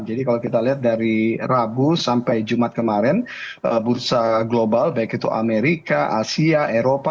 jadi kalau kita lihat dari rabu sampai jumat kemarin bursa global baik itu amerika asia eropa